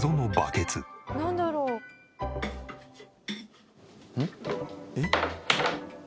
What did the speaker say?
なんだろう？えっ？